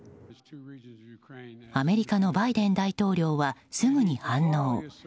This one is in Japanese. アメリカのバイデン大統領はすぐに反応。